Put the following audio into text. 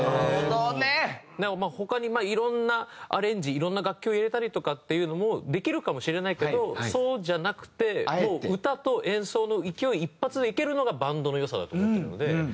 いろんな楽器を入れたりとかっていうのもできるかもしれないけどそうじゃなくてもう歌と演奏の勢い一発でいけるのがバンドの良さだと思ってるので。